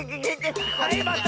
はいまた！